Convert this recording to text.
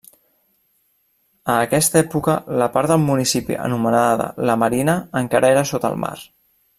A aquesta època la part del municipi anomenada la Marina encara era sota el mar.